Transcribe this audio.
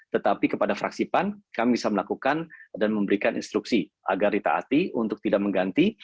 tetapi kepada fraksi pan kami bisa melakukan dan memberikan instruksi agar ditaati untuk tidak mengganti